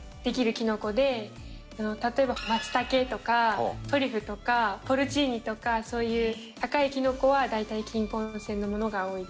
例えばマツタケとかトリュフとかポルチーニとかそういう高いきのこは大体菌根性のものが多いです。